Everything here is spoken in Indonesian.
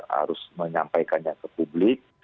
harus menyampaikannya ke publik